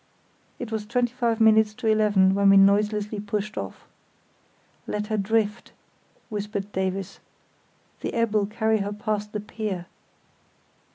It was twenty five minutes to eleven when we noiselessly pushed off. "Let her drift," whispered Davies, "the ebb'll carry her past the pier."